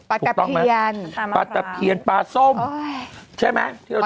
ปลาตะเพียนปลาส้มใช่ไหม